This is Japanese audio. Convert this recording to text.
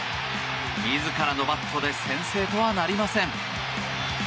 自らのバットで先制とはなりません。